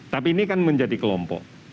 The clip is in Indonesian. tapi ini kan menjadi kelompok